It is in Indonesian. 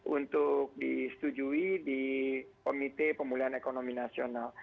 untuk disetujui di komite pemulihan ekonomi nasional